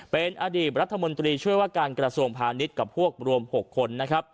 เป็นอดีตรัฐมนตรีช่วยว่าการกระทรวงพาณิชย์กับพวกรวม๖คนนะครับ